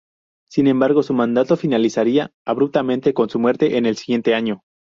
Sin embargo, su mandato finalizaría abruptamente con su muerte en el siguiente año.